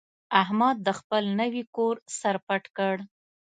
احمد د خپل نوي کور سر پټ کړ.